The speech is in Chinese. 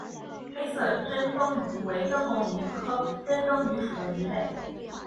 黑色珍灯鱼为灯笼鱼科珍灯鱼属的鱼类。